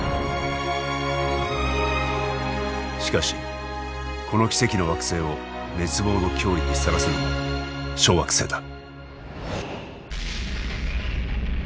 しかしこの奇跡の惑星を滅亡の脅威にさらすのも小惑星だ。